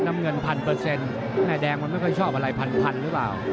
น้ำเงินพันเปอร์เซ็นต์แม่แดงมันไม่ค่อยชอบอะไรพันหรือเปล่า